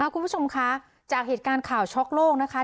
คุณผู้ชมคะจากเหตุการณ์ข่าวช็อกโลกนะคะ